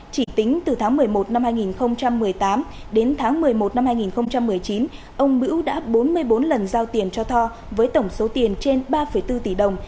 chỉ tính từ tháng một mươi một năm hai nghìn một mươi tám đến tháng một mươi một năm hai nghìn một mươi chín ông bưu đã bốn mươi bốn lần giao tiền cho tho với tổng số tiền trên ba bốn tỷ đồng